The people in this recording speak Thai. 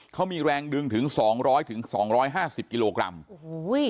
เขามีแรงดึงถึงสองร้อยถึงสองร้อยห้าสิบกิโลกรัมโอ้โห